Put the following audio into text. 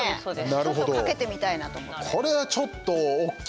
ちょっとかけてみたいなと思って。